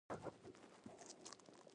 جمال راوړي